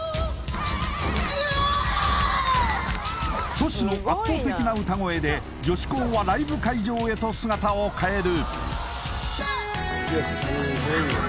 Ｔｏｓｈｌの圧倒的な歌声で女子校はライブ会場へと姿を変える！